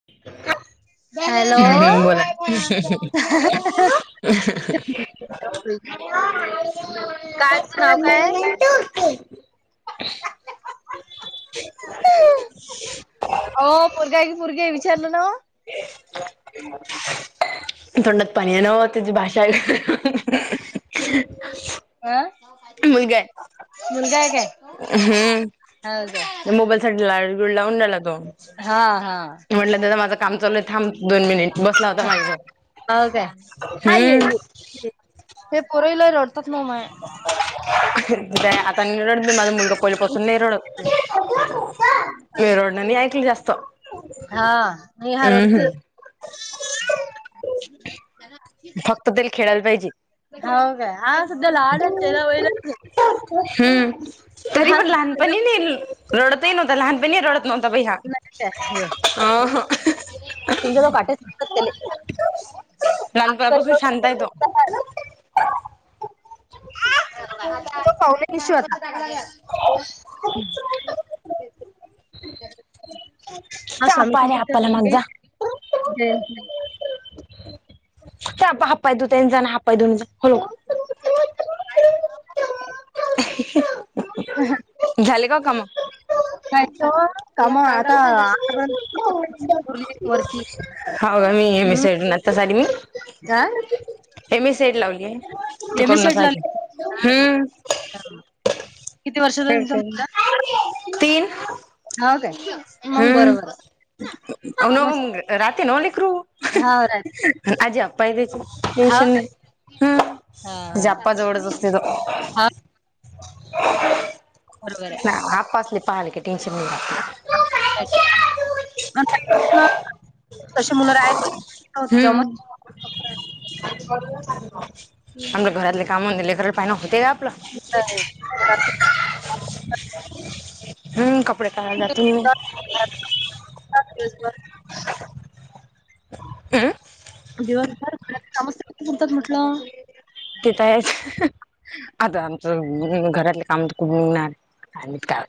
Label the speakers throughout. Speaker 1: [inaudible] Hello
Speaker 2: हम्म बोला
Speaker 1: काय ह्याच नाव काय आहे?
Speaker 2: [inaudible]
Speaker 1: हो पूजा ची पोरगीये विचारल ना ओ.
Speaker 2: तोंडात पाणी नाहो त्याची भाषा एकुन
Speaker 1: अं
Speaker 2: मुलगाय
Speaker 1: मुलगा आहे काय?
Speaker 2: हम्म्.
Speaker 1: हो का.
Speaker 2: मोबाईल साठी लाडी गोडी लावून नेला तो.
Speaker 1: हा हा
Speaker 2: म्हटल आता माझ काम चालू आहे थांब दोन मिनिट बसला होता माझ्या जवळ.
Speaker 1: हो काय, हा ये ये ये.
Speaker 2: त्या [unintelligible] आत [unintelligible] माझा मुलगा पहिल्या पाासून नाही रडत मी रडण नाही ऐकल जास्त.
Speaker 1: हां. नेहा
Speaker 2: हम्म
Speaker 1: रडते.
Speaker 2: हम्म. फक्त तिल खेळायला पाहिजे.
Speaker 1: हो काय. नाही
Speaker 2: हम्म तरी
Speaker 1: हा
Speaker 2: पण
Speaker 1: सध्या
Speaker 2: लहानपणी नाही रडतय नाहीतर लहानपणी रडत नव्हता बाई
Speaker 1: तुमच्या
Speaker 2: हा.
Speaker 1: असले.
Speaker 2: लहानपणापासून शांत आहे तो.
Speaker 1: आता आधी [unintelligible] की शोध.
Speaker 2: जा
Speaker 1: असा
Speaker 2: आप्पा
Speaker 1: मी
Speaker 2: आले आप्पाला माग जा.
Speaker 1: [unintelligible] जयंती.
Speaker 2: ते हप्पा हातपाय धूऊन जा आणि हात पाय धूऊन ते जा, हळूच. झाले का काम?
Speaker 1: नाही तर कामावर आता आकरा [unintelligible]
Speaker 2: हो का मी [unintelligible] आताच आली मी.
Speaker 1: हां
Speaker 2: M S C I T लावलीये
Speaker 1: एम ए सेट
Speaker 2: तिकडूनच
Speaker 1: ला
Speaker 2: आले.
Speaker 1: किती वर्षाचा आहे तुमचा मुलगा?
Speaker 2: तीन.
Speaker 1: हाव काय. मंग
Speaker 2: हम्म
Speaker 1: बरोबर आहे. मस्त
Speaker 2: रहातेल ओ लेकरू
Speaker 1: हा राहते.
Speaker 2: आजी आप्पायले देच
Speaker 1: हाव काय
Speaker 2: [unintelligible] हम्म.
Speaker 1: हा हा
Speaker 2: आप्पा जवळच असतोय तो.
Speaker 1: [inaudible] बरोबर
Speaker 2: ह
Speaker 1: आहे.
Speaker 2: आप्पा असली पाहाल क टेन्शन नयी
Speaker 1: तसे मुलं रा आहेत जे
Speaker 2: आपलं घरातले काम लेकर पाहिना होते का आपलं.
Speaker 1: नाही
Speaker 2: हम्म कपडे काडाय जातु.
Speaker 1: घरात दिवसभर घरातली काम कुठ पुरतात म्हटलं.
Speaker 2: ते तर आहेच. आता आमचं घरातले काम तर खूप निघणार आणि काय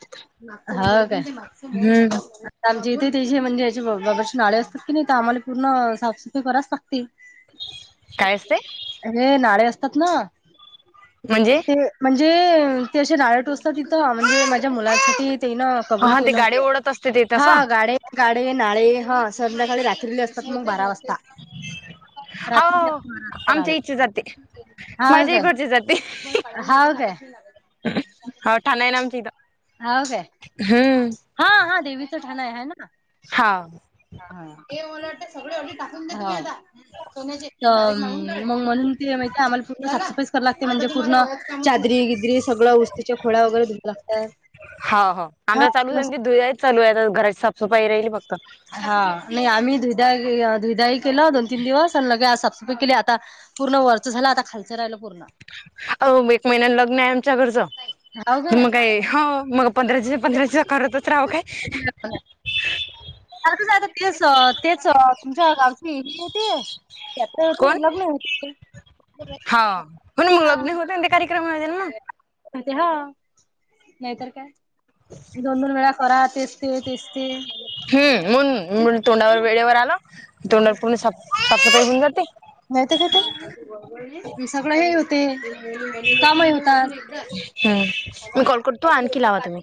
Speaker 1: होव
Speaker 2: हम्म
Speaker 1: काय. जेथे तेे म्हणजे याची बाबरची नाळे असतात की ते आम्हाला पूर्ण साफसफाई
Speaker 2: काय असते
Speaker 1: हे नाळे असतात ना
Speaker 2: म्हणजे
Speaker 1: ते म्हणजे ते असे राळे टोचतात तिथं म्हणजे माझ्या मु तेन कबूल
Speaker 2: हा ते
Speaker 1: केलं
Speaker 2: गाडी
Speaker 1: होत
Speaker 2: ओढत असते ते
Speaker 1: हा
Speaker 2: तसं
Speaker 1: गाडे गाडे, नाळे हा संध्याकाळी रात्रीली असतात मग बारा वाजता. रात्री
Speaker 2: हो
Speaker 1: अ-बारा वाजता नाळे.
Speaker 2: आमच्या इथची जाते
Speaker 1: हाव
Speaker 2: माझ्या
Speaker 1: काय,
Speaker 2: इकडची जाते
Speaker 1: हाव काय.
Speaker 2: हो ठाण आहे ना आमच्या यीथ.
Speaker 1: हाव काय हा हा देवीचं ठाण आहे ह ना.
Speaker 2: हाव.
Speaker 1: हा हा ते मला वाटते सगळे वडी टाकून देतो मी आता. मग म्हणून ते माही काय आम्हाला पूर्ण साफसफाईच करायला लागते म्हणजे पूर्ण चादरी गिदरी सगळं ऊस्तीच्या खुळ्या वगैरे धुया
Speaker 2: हो हो
Speaker 1: लागतात.
Speaker 2: आमचं चालूच आहे ते धुयाच चालू आहे आता घराची साफसफाई राहीली फक्त
Speaker 1: हा नाही आम्ही धुदा धुदाई केलं दोन तीन दिवस आणि लगे आज साफसफाई केली आता. पूर्ण वरच झालं आता खालचं राहिलं पूर्ण.
Speaker 2: अ म एक महिन्यात लग्न आहे आमच्या घरच मग काय हो मग पंधरा दिवसा- पंधरा दिवसा करतच रहाव काय.
Speaker 1: आ करतच रहायचं तेच तेच तुमच्या गावची हिडी होती. त्याच
Speaker 2: कोण
Speaker 1: अजून लग्न होती.
Speaker 2: हा म्हणून म्हणल मेहंदी कार्यक्रम असेल ना.
Speaker 1: ते हा नाहीतर काय दोन दोन वेळा करा तेच ते तेच ते.
Speaker 2: हू मुन मुन तोंडावर वेळेवर आल तोंडावर पूर्ण साफ साफसफाई होऊन जाते.
Speaker 1: नाहीतर काय ते सगळ हे ते का माहिन का.
Speaker 2: हम्म मी कॉल करतो आणखी लावा तुम्ही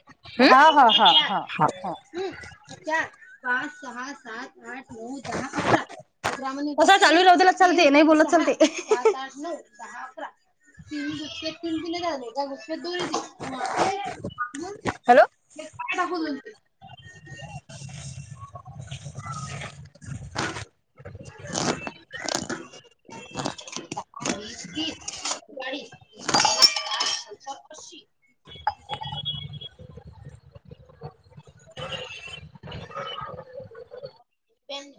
Speaker 1: हा
Speaker 2: हम्म
Speaker 1: हा हा हा. हू चार, पाच, सहा, सात, आठ, नऊ, दहा, अकरा. तसं चालू राहुदेल चालते नाही बोलत चालते. ती नुसते तीन तिने झाले काय? दोरी का
Speaker 2: हॅलो
Speaker 1: [inaudible]
Speaker 2: [unintelligible]
Speaker 1: तीस, चाळीस पेन